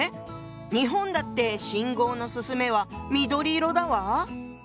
日本だって信号の「進め」は緑色だわ。